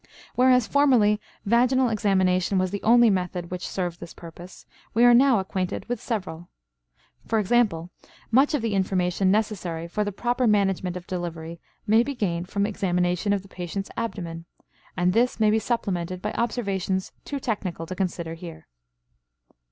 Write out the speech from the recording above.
Whereas formerly vaginal examination was the only method which served this purpose, we are now acquainted with several. For example much of the information necessary for the proper management of delivery may be gained from examination of the patient's abdomen; and this may be supplemented by observations too technical to consider here.